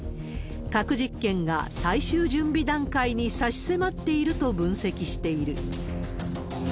核実験が最終準備段階に差し迫っていると分析している。